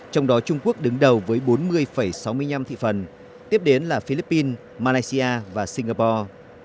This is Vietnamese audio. trong đó trung quốc đứng đầu với bốn mươi sáu mươi năm thị phần tiếp đến là philippines malaysia và singapore